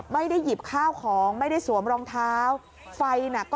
ไม่ได้หยิบข้าวของไม่ได้สวมรองเท้าไฟน่ะก็